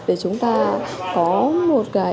để chúng ta có một